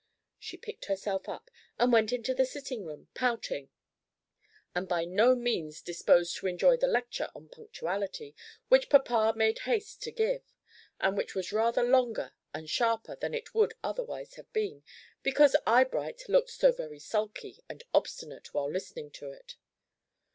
She picked herself up and went into the sitting room, pouting, and by no means disposed to enjoy the lecture on punctuality, which papa made haste to give, and which was rather longer and sharper than it would otherwise have been, because Eyebright looked so very sulky and obstinate while listening to it.